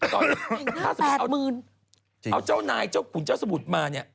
ตอนนี้ถ้าสมมุติเอาเจ้านายเจ้าขุนเจ้าสมุทรมาเนี่ย